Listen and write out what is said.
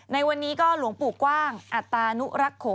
ในวันนี้ก็หลวงปู่กว้างอัตรานุรักษ์โข